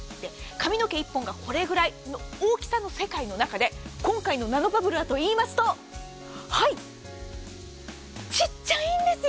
髪の毛１本がこれくらいの大きさの世界の中で今回のナノバブルはといいますとちっちゃいんです。